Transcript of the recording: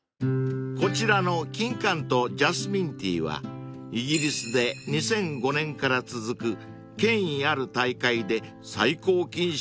［こちらの金柑とジャスミンティーはイギリスで２００５年から続く権威ある大会で最高金賞に輝いた代物］